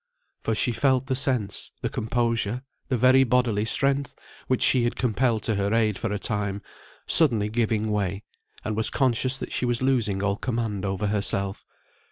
For she felt the sense, the composure, the very bodily strength which she had compelled to her aid for a time, suddenly giving way, and was conscious that she was losing all command over herself.